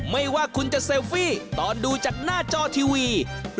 ไม่ว่าคุณจะเซลฟี่ตอนดูจากหน้าจอทีวี